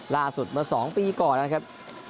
เมื่อ๒ปีก่อนนะครับ